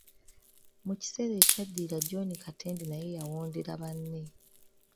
Mu kiseera ekyaddirira John Katende naye yawondera banne.